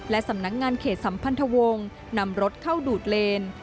และสำนักงานเขตสัมพันธวงศ์นำรถเข้าดูดเลน